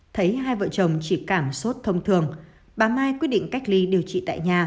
thấy hai vợ chồng chỉ cảm sốt thông thường bà mai quyết định cách ly điều trị tại nhà